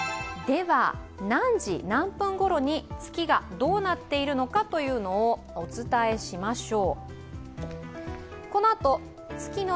何時何分ごろに月がどうなっているのかというのをお伝えしましょう。